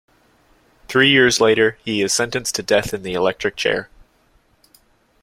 Three years later, he is sentenced to death in the electric chair.